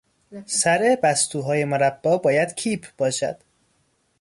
سر بستوهای مربا باید کیپ باشد.